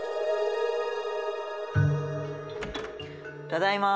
ただいま。